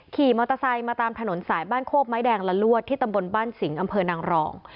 ขี่มอเตอร์ไซค์มาตามถนนสายบ้านโคกไม้แดงละลวดที่ตำบลบ้านสิงห์อำเภอนางรอง